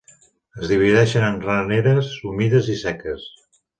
Es divideixen en raneres humides i seques.